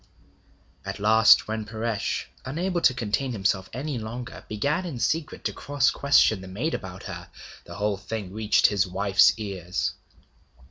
At last when Paresh, unable to contain himself any longer, began in secret to cross question the maid about her, the whole thing reached his wife's ears.